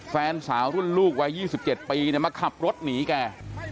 แฟนสาวรุ่นลูกวัย๒๗ปีมาขับรถหนีแก